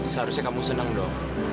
seharusnya kamu senang dong